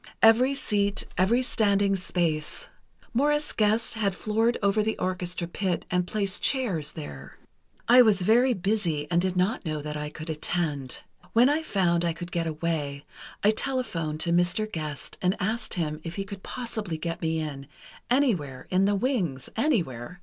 Every seat, every standing space ... Morris Gest had floored over the orchestra pit and placed chairs there. "I was very busy, and did not know that I could attend. When I found I could get away, I telephoned to Mr. Gest and asked him if he could possibly get me in, anywhere—in the wings—anywhere.